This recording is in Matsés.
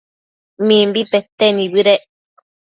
Mimbi pete nibëdec